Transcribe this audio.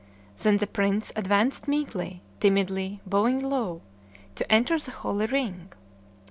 Then the prince advanced meekly, timidly, bowing low, to enter the holy ring.